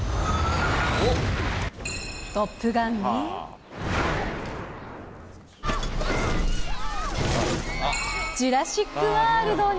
トップガンに。